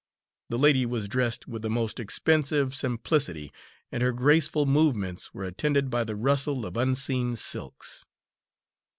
The lady was dressed with the most expensive simplicity, and her graceful movements were attended by the rustle of unseen silks.